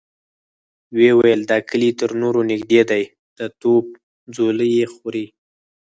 ويې ويل: دا کلي تر نورو نږدې دی، د توپ څولۍ يې خوري.